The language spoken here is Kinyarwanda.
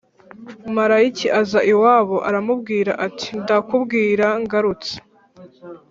malayika aza iwabo aramubwira ati ndakubwira ngarutse